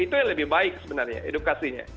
itu yang lebih baik sebenarnya edukasinya